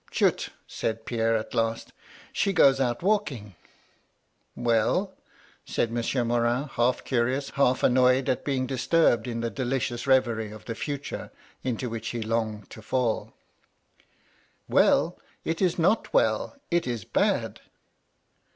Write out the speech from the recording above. "* Chut I' said Pierre, at last * She goes out walking.' "' Well ?' said Monsieur Morin, half curious, half annoyed at being disturbed in the delicious reverie of the future into which he longed to falL "' Well ! It is not well. It is bad.'